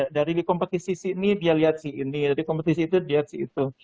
dari kompetisi sini dia lihat ini dari kompetisi itu dia lihat itu